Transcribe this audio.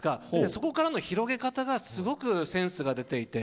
そこからの広げ方がすごくセンスが出ていて